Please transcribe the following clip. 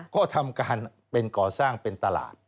ก็ทำการเป็นก่อสร้างเป็นตลาด